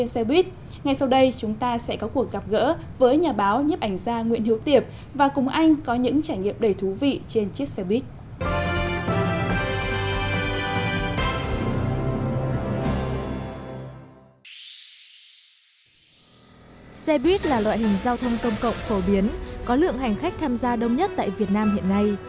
xe buýt là loại hình giao thông công cộng phổ biến có lượng hành khách tham gia đông nhất tại việt nam hiện nay